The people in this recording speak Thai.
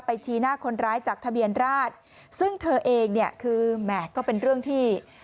ชี้หน้าคนร้ายจากทะเบียนราชซึ่งเธอเองเนี่ยคือแหม่ก็เป็นเรื่องที่